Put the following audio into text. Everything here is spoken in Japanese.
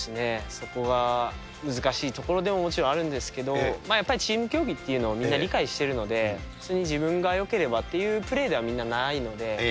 そこが難しいところでももちろんあるんですけど、やっぱりチーム競技っていうのをみんな理解してるので、別に自分がよければというプレーではみんなないので。